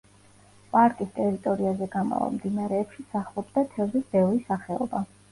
პარკის ტერიტორიაზე გამავალ მდინარეებში სახლობდა თევზის ბევრი სახეობა.